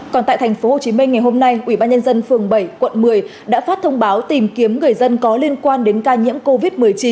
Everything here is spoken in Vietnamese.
còn tại thành phố hồ chí minh ngày hôm nay ủy ban nhân dân phường bảy quận một mươi đã phát thông báo tìm kiếm người dân có liên quan đến ca nhiễm covid một mươi chín